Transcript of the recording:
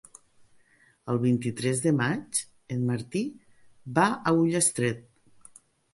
El vint-i-tres de maig en Martí va a Ullastret.